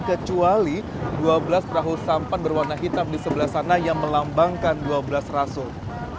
kecuali dua belas perahu sampan berwarna hitam di sebelah sana yang melambangkan dua belas rasul